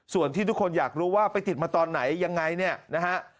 ส่วนที่ทุกคนอยากรู้ว่าไปติดมาตอนไหนยังไงเนี่ยนะฮะ